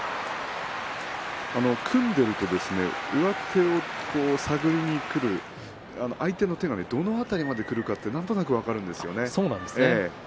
組んでいると上手を探りにくる相手の手がどの辺りまでくるかということがなんとなく分かるんですね。